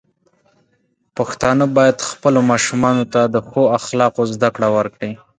پښتانه بايد خپلو ماشومانو ته د ښو اخلاقو زده کړه ورکړي.